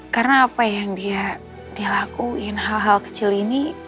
karena apa yang dia lakuin hal hal kecil ini